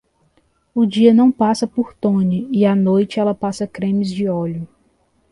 O dia não passa por Toni, e à noite ela passa cremes de óleo.